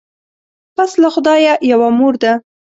پس له خدایه یوه مور ده